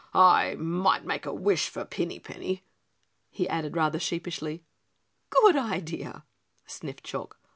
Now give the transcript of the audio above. "I might make a wish for Pinny Penny," he added rather sheepishly. "Good idea," sniffed Chalk.